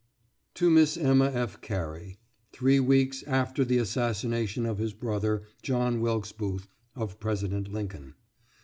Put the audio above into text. TO MISS EMMA F. CARY [Three weeks after the assassination by his brother, John Wilkes Booth, of President Lincoln.